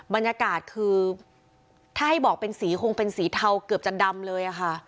บรรยากาศคือถ้าให้บอกเป็นสีคงเป็นสีเทาเกือบจะดำเลยค่ะ